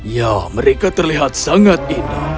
ya mereka terlihat sangat indah